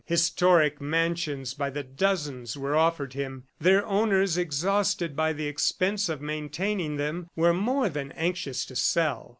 Historic mansions by the dozen were offered him. Their owners, exhausted by the expense of maintaining them, were more than anxious to sell.